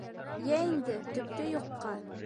— Йә инде, — төптө юҡҡа...